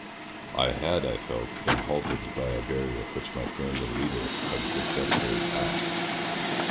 I had, I felt, been halted by a barrier which my friend and leader had successfully passed.